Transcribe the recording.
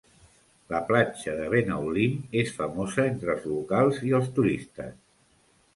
La platja de Benaulim és famosa entre els locals i els turistes.